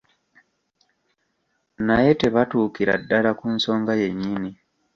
Naye tebatuukira ddala ku nsonga yennyini.